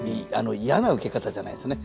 嫌なウケ方じゃないんですね。